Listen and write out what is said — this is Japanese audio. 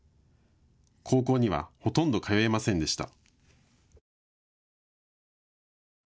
高校にはほとんど通えませんでした。